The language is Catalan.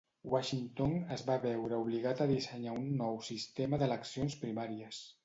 Washington es va veure obligat a dissenyar un nou sistema d'eleccions primàries.